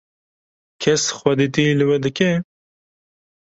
Kes xwedîtiyê li we dike?